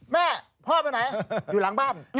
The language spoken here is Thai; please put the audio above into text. แม่พ่อไปไหนอยู่หลังบ้าน